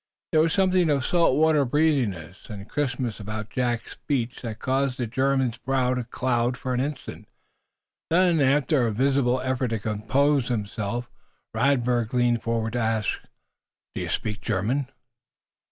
There was something of salt water breeziness and crispness about Jack's speech that caused the German's brow to cloud for an instant. Then, after a visible effort to compose himself, Radberg leaned forward to ask: "Do you speak German?"